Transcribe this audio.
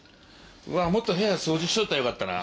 うわっもっと部屋掃除しといたらよかったな。